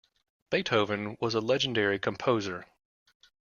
Beethoven was a legendary composer.